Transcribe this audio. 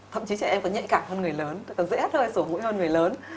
thậm chí trẻ em còn nhạy cảm hơn người lớn còn dễ hát hơi sổ mũi hơn người lớn